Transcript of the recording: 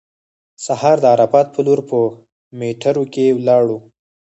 سهار د عرفات په لور په میټرو کې ولاړو.